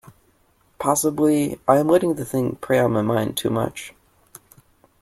Possibly I am letting the thing prey on my mind too much.